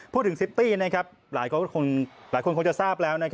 พูดถึงซิตี้หลายคนคงจะทราบแล้ว